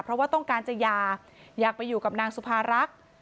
เพราะว่าต้องการจะหย่าอยากไปอยู่กับนางสุภารักษ์